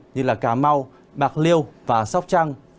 như cà mau bạc liêu và sóc trăng